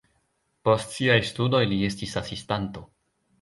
Post siaj studoj li estis asistanto.